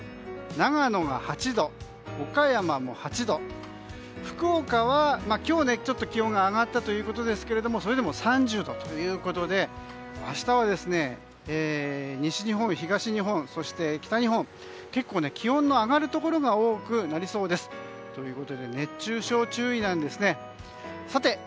長野が８度、岡山も８度福岡は今日は気温が上がったということですけどそれでも３０度ということで明日は西日本、東日本そして北日本結婚、気温の上がるところが多くなりそうです。ということで熱中症に注意なんです。